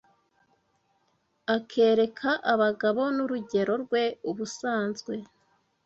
Akereka abagabo N'urugero rwe ubusanzwe